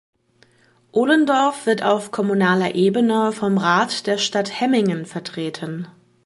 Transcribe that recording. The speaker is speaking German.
Ohlendorf wird auf kommunaler Ebene vom Rat der Stadt Hemmingen vertreten.